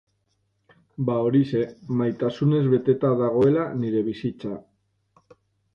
Ba horixe, maitasunez beteta dagoela nire bizitza.